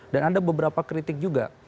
dan ada beberapa kritik juga